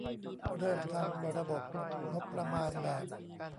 เริ่มทำระบบงบประมาณแบบ